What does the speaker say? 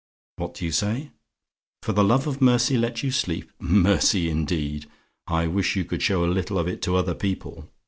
"What do you say? "FOR THE LOVE OF MERCY LET YOU SLEEP? "Mercy, indeed! I wish you could show a little of it to other people.